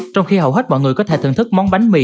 trong khi hầu hết mọi người có thể thưởng thức món bánh mì